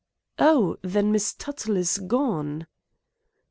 "Oh, then, Miss Tuttle is gone?"